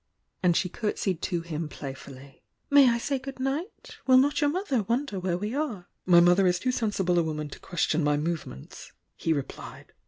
and she curtsied to him play fully. "May I say good night? Will not your moth er wonder where we are?" "My mother is too sensible a woman to question my movements," he replied.